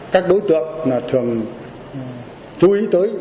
các đối tượng thường chú ý tới